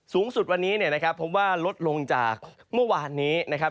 สูงสุดวันนี้เนี่ยนะครับพบว่าลดลงจากเมื่อวานนี้นะครับ